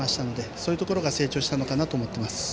そういうところが成長したのかなと思っています。